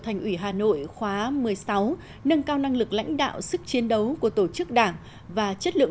thành ủy hà nội khóa một mươi sáu nâng cao năng lực lãnh đạo sức chiến đấu của tổ chức đảng và chất lượng